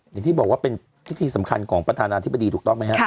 อย่างที่บอกว่าเป็นพิธีสำคัญของประธานาธิบดีถูกต้องไหมครับ